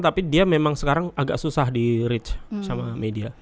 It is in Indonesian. tapi dia memang sekarang agak susah di reach sama media